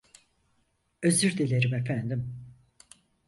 Özür dilerim efendim.